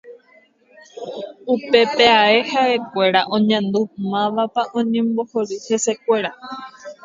Upépe ae ha'ekuéra oñandu mávapa oñembohory hesekuéra.